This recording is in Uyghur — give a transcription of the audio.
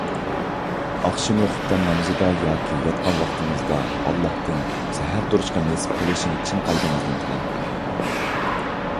ئاخشىمى خۇپتەن نامىزىدا ياكى ياتقان ۋاقتىڭىزدا ئاللاھتىن سەھەر تۇرۇشقا نېسىپ قىلىشنى چىن قەلبىڭىزدىن تىلەڭ.